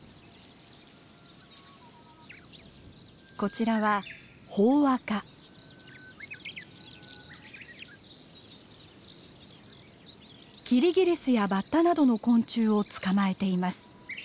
こちらはキリギリスやバッタなどの昆虫を捕まえています。